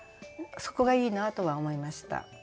そこがいいなとは思いました。